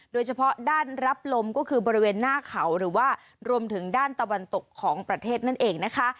โดยเฉพาะด้านรับลมก็คือบริเวณหน้าเขาหรือว่ารวมถึงด้านตะวันตกของประเทศนั่นเองนะคะ